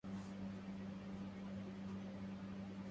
أيا لائمي في وقفة المتلوذ